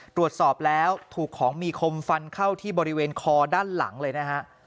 ตรวจสอบแล้วถูกของมีคมฟันเข้าที่บริเวณคอด้านหลังเลยนะฮะ